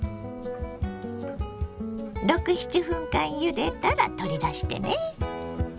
６７分間ゆでたら取り出してね。